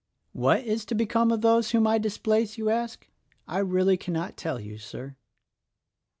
What is to become of those whom I displace, you ask? I really cannot tell you, Sir."